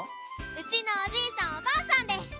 「うちのおじいさんおばあさん」です。